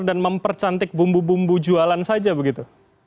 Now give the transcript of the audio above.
dan mempercantik bumbu bumbu jualan saja begitu